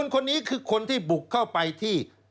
คนนี้คือคนที่บุกเข้าไปที่